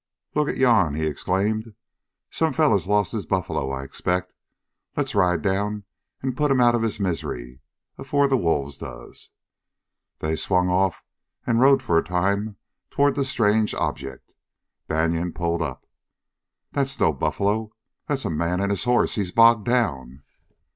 "Look ee yan!" he exclaimed. "Some feller's lost his buffler, I expect. Let's ride down an' put him out'n his misery afore the wolves does." They swung off and rode for a time toward the strange object. Banion pulled up. "That's no buffalo! That's a man and his horse! He's bogged down!"